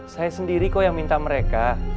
saya sendiri kok yang minta mereka